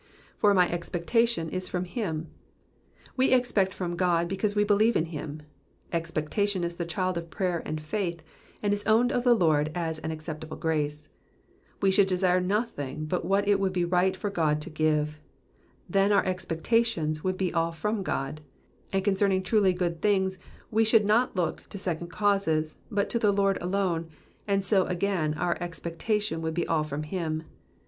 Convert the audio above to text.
^^For my expectation %$ from him,'*'' We expect from God because we believe in him. Expectation is the child of prayer and faith, and is owned of the Lord as an acceptable grace. We should aesire nothing but what it would be right for God to give, then our expectation would be all from God ; and concerning truly good things we should not look to second causes, but to the Lord alone, and so again our ex pectation would be all from him.